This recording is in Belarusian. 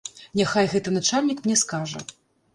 Няхай гэты начальнік мне скажа.